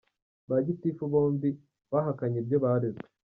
Ba gitifu bombi bahakanye ibyo barezwe.